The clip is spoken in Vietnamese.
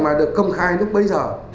mà được công khai lúc bấy giờ